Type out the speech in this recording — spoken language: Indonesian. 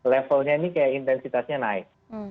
levelnya ini kayak intensitasnya naik